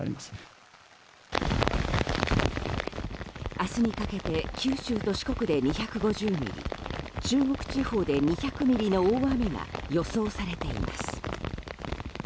明日にかけて九州と四国で２５０ミリ中国地方で２００ミリの大雨が予想されています。